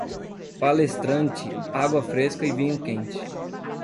Palestrante, água fresca e vinho quente.